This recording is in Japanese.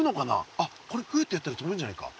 あっこれフッてやったらとぶんじゃないか？